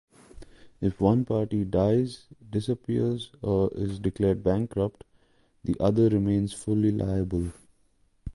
If one party dies, disappears or is declared bankrupt, the other remains fully liable.